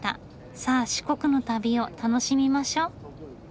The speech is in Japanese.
さあ四国の旅を楽しみましょう！